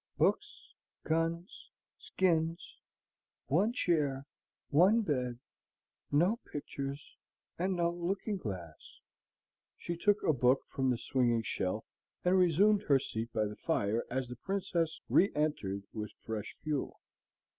"Books, guns, skins, ONE chair, ONE bed, no pictures, and no looking glass!" She took a book from the swinging shelf and resumed her seat by the fire as the Princess re entered with fresh fuel.